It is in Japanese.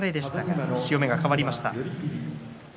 潮目が途中で変わりました。